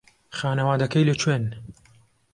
خانەوادەکەی لەکوێن؟